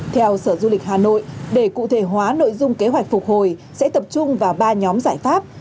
theo sở du lịch hà nội để cụ thể hóa nội dung kế hoạch phục hồi sẽ tập trung vào ba nhóm giải pháp